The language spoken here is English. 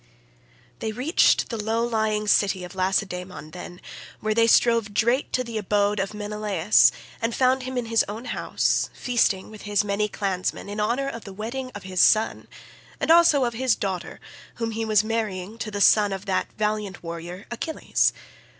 they reached the low lying city of Lacedaemon, where they drove straight to the abode of Menelaus36 [and found him in his own house, feasting with his many clansmen in honour of the wedding of his son, and also of his daughter, whom he was marrying to the son of that valiant warrior Achilles.